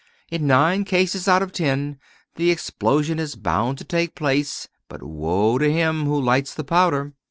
In nine cases out of ten, the explosion is bound to take place; but woe to him who lights the powder!